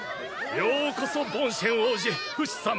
ようこそボンシェン王子フシ様！